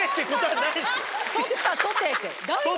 「取ったとて」って大丈夫です。